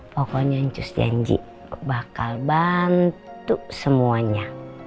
pokoknya cus janji bakal bantu semuanya